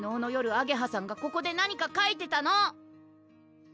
あげはさんがここで何かかいてたの！